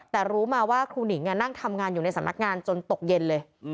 แต่รู้มาว่าครูหนิงนั่งทำงานอยู่ในสำนักงานจนตกเย็นเลย